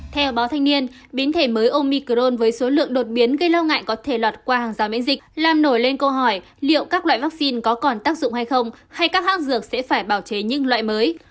theo báo thanh niên biến thể mới omicrone với số lượng đột biến gây lo ngại có thể lọt qua hàng rào miễn dịch làm nổi lên câu hỏi liệu các loại vaccine có còn tác dụng hay không hay các hãng dược sẽ phải bảo chế những loại mới